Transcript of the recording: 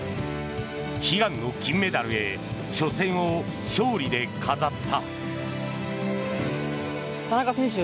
悲願の金メダルへ初戦を勝利で飾った。